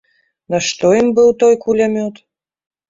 Нашто ім быў той кулямёт?